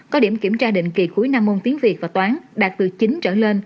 có điểm kiểm tra định kỳ cuối năm môn tiếng việt và toán đạt từ chín trở lên